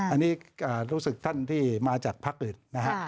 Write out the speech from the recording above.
อันนี้รู้สึกท่านที่มาจากภักดิ์อื่นนะฮะ